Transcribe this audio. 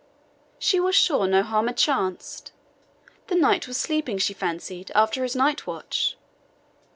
She was sure no harm had chanced the knight was sleeping, she fancied, after his night watch.